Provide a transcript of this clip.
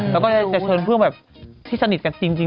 แล้วก็จะเชิญเพื่อนแบบที่สนิทกันจริง